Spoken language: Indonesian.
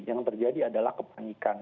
yang terjadi adalah kepanikan